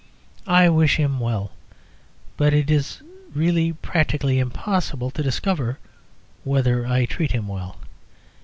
I wish him well; but it is really practically impossible to discover whether I treat him well.